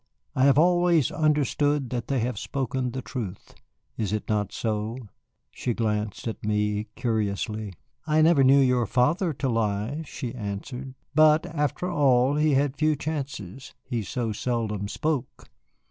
"I have always understood that they have spoken the truth. Is it not so?" She glanced at me curiously. "I never knew your father to lie," she answered; "but after all he had few chances. He so seldom spoke."